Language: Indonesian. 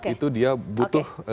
itu dia butuh